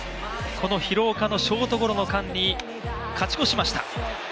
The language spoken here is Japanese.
この廣岡のショートゴロの間に勝ち越しました。